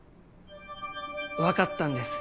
分かったんです。